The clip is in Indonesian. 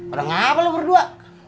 udah ngapa lu berdua